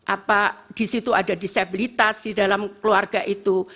apa di situ ada disabilitas di dalam keluarga itu